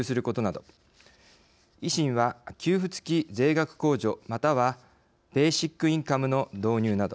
維新は給付つき税額控除またはベーシックインカムの導入など。